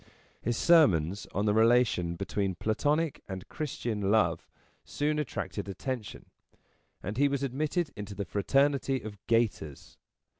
His sermons on the relation between Platonic and Christian Love soon attracted attention, and he was admitted into the fraternity of gaiters.